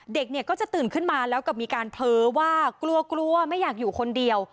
เด็กเนี่ยก็จะตื่นขึ้นมาแล้วกับมีการเผลอว่ากลัวกลัวไม่อยากอยู่คนเดียว